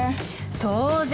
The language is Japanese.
当然！